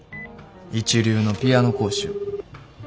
一流のピアノ講師を。